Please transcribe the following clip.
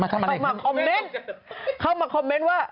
เข้ามาคอมเม้นต์ว่า